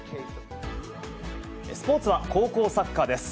スポーツは高校サッカーです。